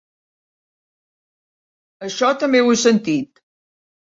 Això també ho he sentit.